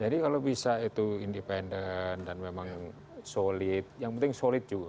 jadi kalau bisa itu independen dan memang solid yang penting solid juga